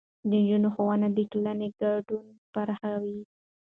د نجونو ښوونه د ټولنې ګډون پراخوي.